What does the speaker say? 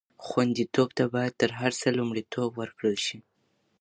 خوندیتوب ته باید تر هر څه لومړیتوب ورکړل شي.